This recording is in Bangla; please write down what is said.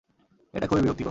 এটা খুবই বিরক্তিকর!